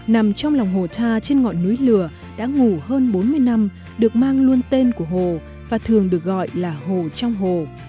nằm trong lòng hồ tha trên ngọn núi lửa đã ngủ hơn bốn mươi năm được mang luôn tên của hồ và thường được gọi là hồ trong hồ